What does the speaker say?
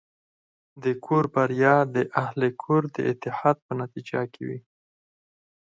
د کور بریا د اهلِ کور د اتحاد په نتیجه کې وي.